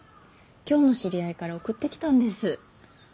京の知り合いから送ってきたんです。